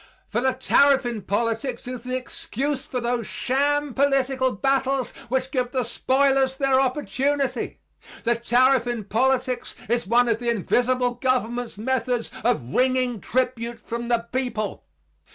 For the tariff in politics is the excuse for those sham political battles which give the spoilers their opportunity. The tariff in politics is one of the invisible government's methods of wringing tribute from the people.